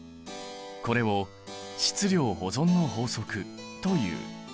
これを質量保存の法則という。